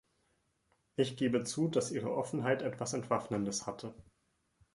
Ich gebe zu, dass Ihre Offenheit etwas Entwaffnendes hatte.